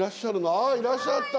ああいらっしゃった。